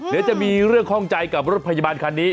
เดี๋ยวจะมีเรื่องข้องใจกับรถพยาบาลคันนี้